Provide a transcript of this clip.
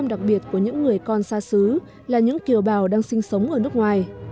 đặc biệt của những người con xa xứ là những kiều bào đang sinh sống ở nước ngoài